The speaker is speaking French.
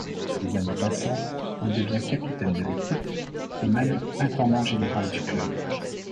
Les années passant, il devient capitaine de l'équipe, et même intendant général du club.